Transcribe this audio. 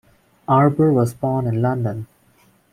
Arber was born in London.